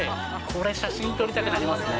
これ、写真撮りたくなりますね。